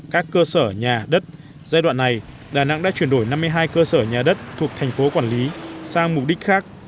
các cơ sở nhà đất giai đoạn này đà nẵng đã chuyển đổi năm mươi hai cơ sở nhà đất thuộc thành phố quản lý sang mục đích khác